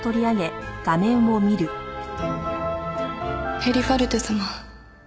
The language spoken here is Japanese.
「ヘリファルテ様」